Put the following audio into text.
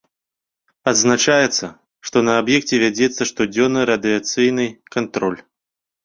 Адзначаецца, што на аб'екце вядзецца штодзённы радыяцыйны кантроль.